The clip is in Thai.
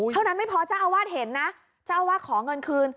เท่านั้นไม่พอเจ้าอาวาสเห็นนะเจ้าอาวาสขอเงินคืน